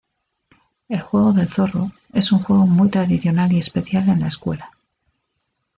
El juego del zorro, es un juego muy tradicional y especial en la escuela.